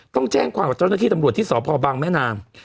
ต้องแจ้งความกับเจ้าหน้าที่ตำรวจที่สพบังแม่นาง